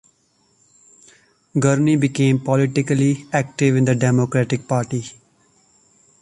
Gurney became politically active in the Democratic Party.